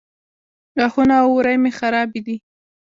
غاښونه او اورۍ مې خرابې دي